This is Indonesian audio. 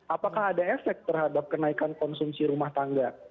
apakah ada efek terhadap kenaikan konsumsi rumah tangga